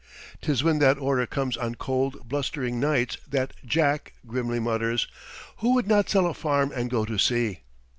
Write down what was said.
'Tis when that order comes on cold, blustering nights that "Jack" grimly mutters: "Who would not sell a farm and go to sea?"